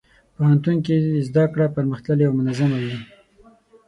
پوهنتون کې زدهکړه پرمختللې او منظمه وي.